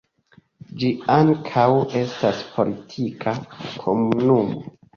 Ĝi ankaŭ estas politika komunumo.